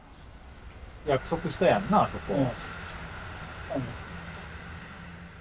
約束したやんなそこ。